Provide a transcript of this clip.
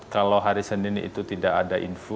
kalau hari senin itu tidak ada info